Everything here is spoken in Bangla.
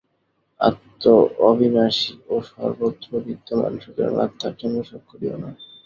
আত্মা অবিনাশী ও সর্বত্র বিদ্যমান, সুতরাং আত্মার জন্য শোক করিও না।